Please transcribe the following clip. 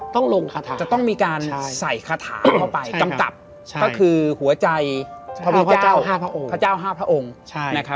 ต้องลงคาถาจะต้องมีการใส่คาถาเข้าไปกำกับก็คือหัวใจพระเจ้า๕พระองค์พระเจ้า๕พระองค์